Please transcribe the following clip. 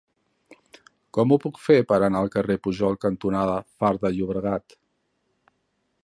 Com ho puc fer per anar al carrer Pujol cantonada Far de Llobregat?